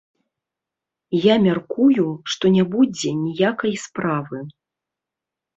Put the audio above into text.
Я мяркую, што не будзе ніякай справы.